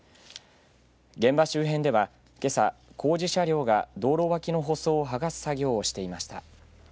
現場周辺では、けさ工事車両が道路脇の舗装をはがす作業をしていました。